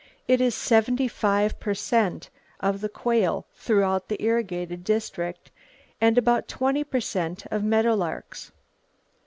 It is seventy five per cent of the quail throughout the irrigated district, and about twenty per cent of meadow larks.